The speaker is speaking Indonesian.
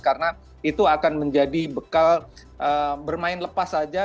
karena itu akan menjadi bekal bermain lepas saja